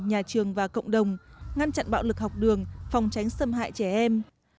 nhà trường và cộng đồng ngăn chặn bạo lực học đường phòng tránh xâm hại trẻ em